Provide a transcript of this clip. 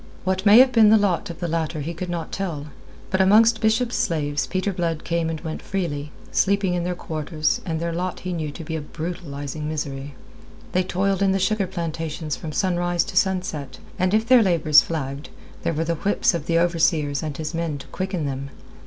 What may have been the lot of the latter he could not tell, but amongst Bishop's slaves Peter Blood came and went freely, sleeping in their quarters, and their lot he knew to be a brutalizing misery. They toiled in the sugar plantations from sunrise to sunset, and if their labours flagged, there were the whips of the overseer and his men to quicken them.